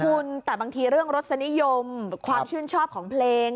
คุณแต่บางทีเรื่องรสนิยมความชื่นชอบของเพลง